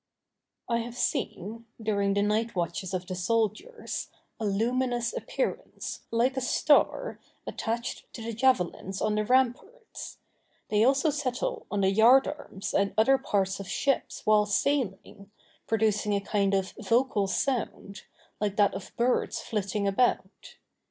I have seen, during the night watches of the soldiers, a luminous appearance, like a star, attached to the javelins on the ramparts. They also settle on the yard arms and other parts of ships while sailing, producing a kind of vocal sound, like that of birds flitting about.